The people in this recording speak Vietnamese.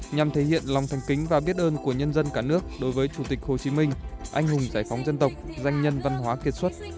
nhằm thể hiện lòng thành kính và biết ơn của nhân dân cả nước đối với chủ tịch hồ chí minh anh hùng giải phóng dân tộc danh nhân văn hóa kiệt xuất